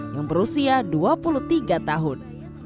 yang berusia dua puluh tiga tahun